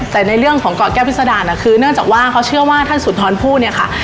แต่ในเรื่องของเกาะแก้วพิษดารน่ะคือเนื่องจากว่าเขาเชื่อว่าท่านสุนทรพูดเนี่ยค่ะ